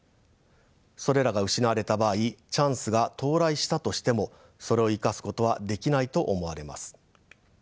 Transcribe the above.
それらが失われた場合チャンスが到来したとしてもそれを生かすことはできないと思われます。